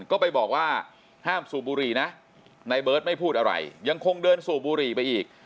ก็ไปบอกว่าห้ามสูบบุหรี่นะในเบิร์ตไม่พูดอะไรยังคงเดินสูบบุหรี่ไปอีก